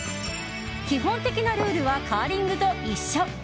基本的なルールはカーリングと一緒。